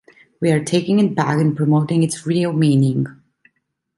We are taking it back and promoting its real meaning.